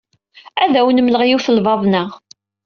Ad awen-mmleɣ yiwet n lbaḍna.